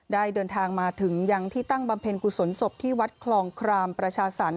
เดินทางมาถึงยังที่ตั้งบำเพ็ญกุศลศพที่วัดคลองครามประชาสรรค